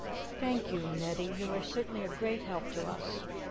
"Thank you, Netty. You are certainly a great help to us!"